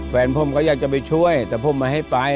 แฟนผมก็อยากจะไปช่วยแต่ผมไม่ให้ไป